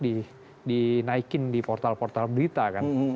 dia tidak banyak dinaikin di portal portal berita kan